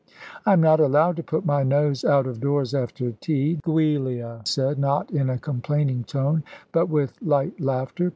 "I am not allowed to put my nose out of doors after tea," Giulia said, not in a complaining tone, but with light laughter.